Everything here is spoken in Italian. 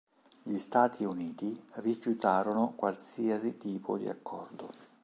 Gli Stati Uniti rifiutarono qualsiasi tipo di accordo.